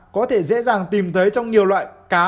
có thể dễ dàng tìm thấy trong nhiều loại thực phẩm này